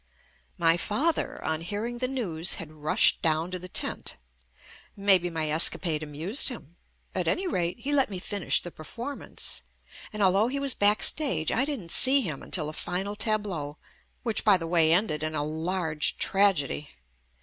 i^ My father on hearing the news had rushed down to the tent. Maybe my escapade amused him. At any rate, he let me finish the per formance, and although he was back stage I didn't see him until the final tableaux, which, by the way, ended in a large tragedy.